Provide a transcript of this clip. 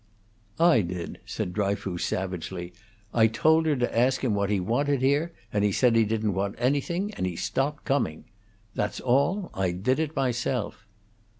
"I did," said Dryfoos, savagely. "I told her to ask him what he wanted here, and he said he didn't want anything, and he stopped coming. That's all. I did it myself."